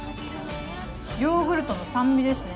ヨーグルトの酸味ですね。